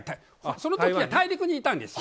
その時は大陸にいたんです。